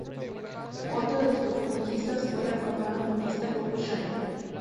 Otra de sus conquistas fue la afamada modista Coco Chanel.